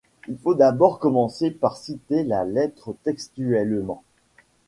Il faut d'abord commencer par citer la lettre textuellement.